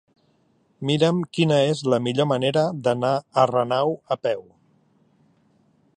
Mira'm quina és la millor manera d'anar a Renau a peu.